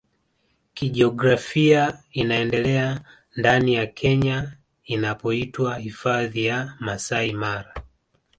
kijiografia inaendelea ndani ya Kenya inapoitwa Hifadhi ya Masai Mara